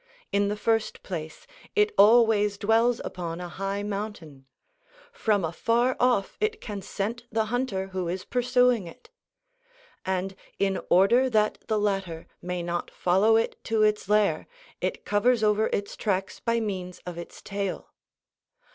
In the first place it always dwells upon a high mountain. From afar off it can scent the hunter who is pursuing it. And in order that the latter may not follow it to its lair it covers over its tracks by means of its tail.